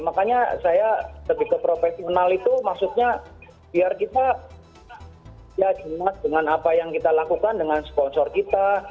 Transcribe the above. makanya saya lebih ke profesional itu maksudnya biar kita ya jelas dengan apa yang kita lakukan dengan sponsor kita